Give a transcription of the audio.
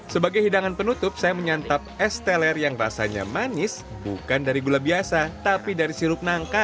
sebagai hidangan penutup saya menyantap es teler yang rasanya manis bukan dari gula biasa tapi dari sirup nangka